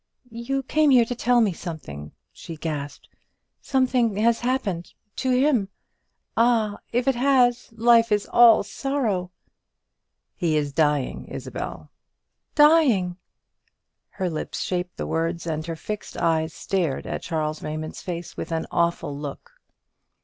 "You came here to tell me something!" she gasped; "something has happened to him! Ah, if it has, life is all sorrow!" "He is dying, Isabel." "Dying!" Her lips shaped the words, and her fixed eyes stared at Charles Raymond's face with an awful look.